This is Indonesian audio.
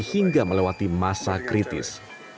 hingga melewati masa kritis